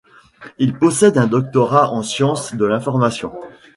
Il possède un doctorat en sciences de l'information.